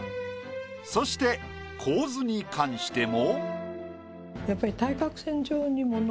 そして構図に関しても。